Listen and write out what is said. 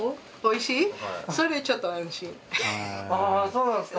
あそうなんですか。